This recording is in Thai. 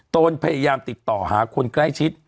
ตนพยายามติดต่อหาคนใกล้ชิด